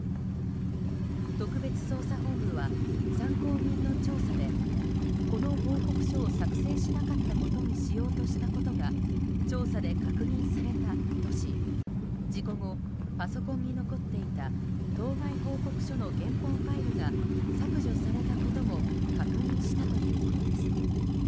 特別捜査本部は参考人の調査でこの報告書を作成しなかったことにしようとしたことが調査で確認されたとし事故後、パソコンに残っていた当該報告書の原本ファイルが削除されたことも確認したということです。